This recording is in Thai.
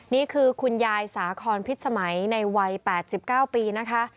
นี่คือคุณยายสาคอนพิษสมัยในวัย๘๙ปีนะคะ